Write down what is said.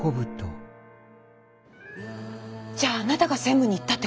じゃああなたが専務に言ったってこと？